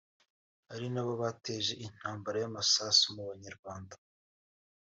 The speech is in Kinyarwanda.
ari na bo bateje intambara y’amasasu mu banyarwanda